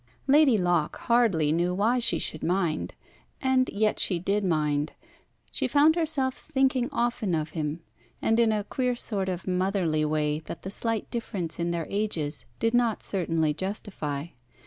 Lady Locke hardly knew why she should mind, and yet she did mind. She found herself thinking often of him, and in a queer sort of motherly way that the slight difference in their ages did not certainly justify.